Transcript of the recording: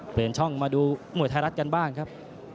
เปลี่ยนช่องมาดูมวยไทยรัฐกันบ้างครับ